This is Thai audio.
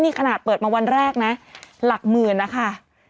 นี่ขนาดเปิดมาวันแรกนะหลักหมื่นนะคะ